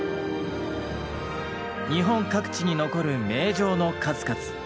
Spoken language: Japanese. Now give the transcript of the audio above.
日本各地に残る名城の数々。